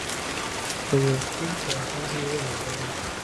په یو سپین کاغذ یې ولګوئ.